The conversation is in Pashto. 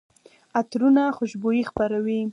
عطرونه خوشبويي خپروي.